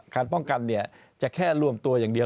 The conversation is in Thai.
ป้องกันจะแค่รวมตัวอย่างเดียว